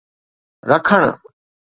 رکڻ